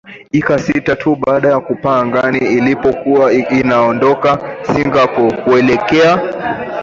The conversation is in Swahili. ika sita tu baada ya kupaa angani ilipokuwa inaondoka singapore kuelekea